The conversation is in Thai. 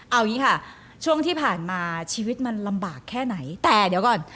เอาอย่างนี้ค่ะช่วงที่ผ่านมาชีวิตมันลำบากแค่ไหนแต่เดี๋ยวก่อน